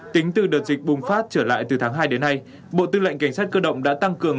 tính từ đợt dịch bùng phát trở lại từ tháng hai đến nay bộ tư lệnh cảnh sát cơ động đã tăng cường